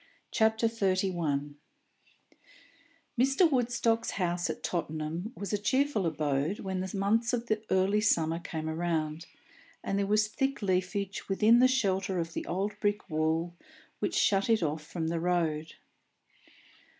CHAPTER XXXI NEW PROSPECTS Mr. Woodstock's house at Tottenham was a cheerful abode when the months of early summer came round, and there was thick leafage within the shelter of the old brick wall which shut it off from the road.